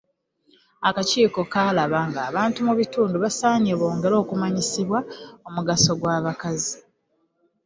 Akakiiko kalaba ng’abantu mu bitundu basaanye bongere okumanyisibwa omugaso gw’abakazi.